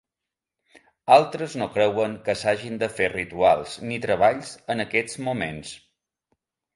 Altres no creuen que s'hagin de fer rituals ni treballs en aquests moments.